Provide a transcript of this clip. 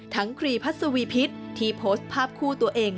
ครีพัศวีพิษที่โพสต์ภาพคู่ตัวเอง